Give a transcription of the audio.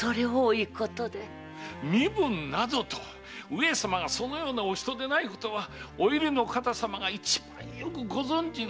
身分などと上様がそのようなお人でないことはお由利の方様が一番よくご存じのはず！